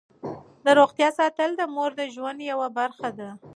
د روغتیا ساتل د مور د ژوند یوه برخه ده.